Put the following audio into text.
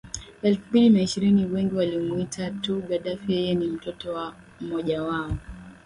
elfu mbili na ishirini Wengi walimuita tu Gaddafi Yeye ni mtoto wa mmoja wa